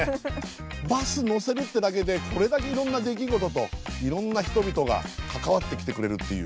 バス乗せるってだけでこれだけいろんな出来事といろんな人々が関わってきてくれるっていう。